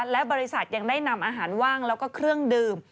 และบริษัทยังได้นำอาหารว่างแล้วก็เครื่องดื่ม